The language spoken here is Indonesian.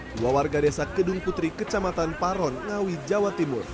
dua warga desa kedung putri kecamatan paron ngawi jawa timur